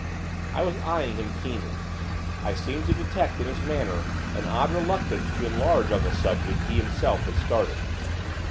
I was eyeing him keenly; I seemed to detect in his manner an odd reluctance to enlarge on the subject he himself had started.